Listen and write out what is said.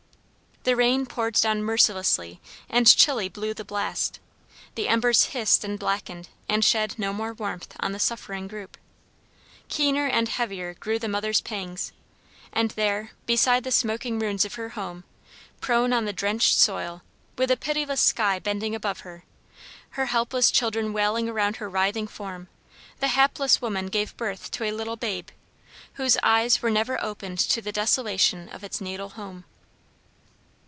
The rain poured down mercilessly and chilly blew the blast. The embers hissed and blackened and shed no more warmth on the suffering group. Keener and heavier grew the mother's pangs, and there beside the smoking ruins of her home, prone on the drenched soil, with the pitiless sky bending above her, her helpless children wailing around her writhing form, the hapless woman gave birth to a little babe, whose eyes were never opened to the desolation of its natal home.